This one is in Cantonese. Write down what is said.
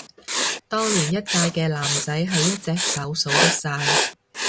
當年一屆嘅男仔係一隻手數得晒